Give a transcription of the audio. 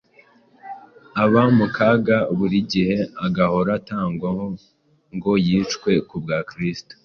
aba mu kaga buri gihe, ” “agahora atangwa ngo yicwe ku bwa Kristo.”